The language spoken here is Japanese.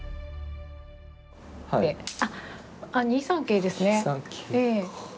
あ２三桂ですね。